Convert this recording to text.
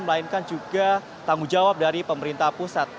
melainkan juga tanggung jawab dari pemerintah pusat